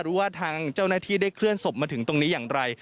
ว่าทางเจ้าหน้าที่ได้เคลื่อนศพมาถึงตรงนี้อย่างไร